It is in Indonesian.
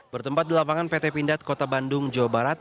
bertempat di lapangan pt pindad kota bandung jawa barat